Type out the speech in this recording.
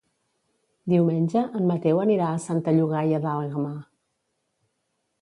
Diumenge en Mateu anirà a Santa Llogaia d'Àlguema.